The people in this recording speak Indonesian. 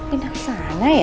pindah kesana ya